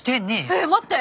えっ待って。